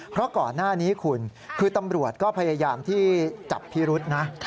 เพราะก่อนหน้านี้คุณคือตำรวจก็พยายามที่จับพิรุษนะ